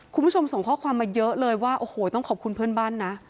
คุณผู้ชมส่งข้อความมาเยอะเลยว่าโอ้โหต้องขอบคุณเพื่อนบ้านนะ